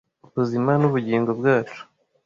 ubuzima n ubugingo bwacu